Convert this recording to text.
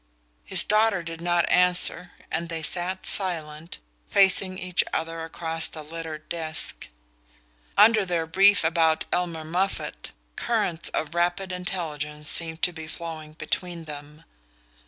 His daughter did not answer, and they sat silent, facing each other across the littered desk. Under their brief about Elmer Moffatt currents of rapid intelligence seemed to be flowing between them.